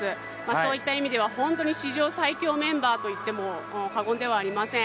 そういった意味では本当に史上最強メンバーと言っても過言ではありません。